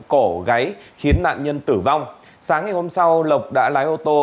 cổ gáy khiến nạn nhân tử vong sáng ngày hôm sau lộc đã lái ô tô